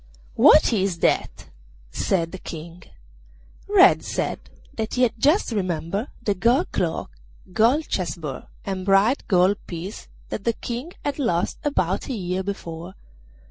'What is that?' said the King. Red said that he had just remembered the gold cloak, gold chess board, and bright gold piece that the King had lost about a year before.